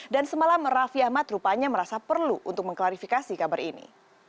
semalam rafi ahmad rupanya merasa perlu untuk mengklarifikasi kabar ini